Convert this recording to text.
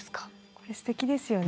これすてきですよね。